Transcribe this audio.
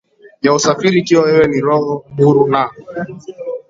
ya usafiri Ikiwa wewe ni roho huru na